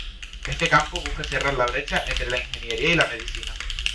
Este campo busca cerrar la brecha entre la ingeniería y la medicina.